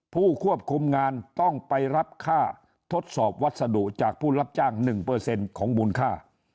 ผู้ควบคุมงานต้องไปรับค่าทดสอบวัสดุจากผู้รับจ้าง๑ของมูลค่า